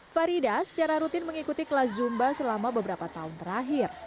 farida secara rutin mengikuti kelas zumba selama beberapa tahun terakhir